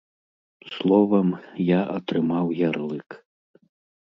Словам, я атрымаў ярлык.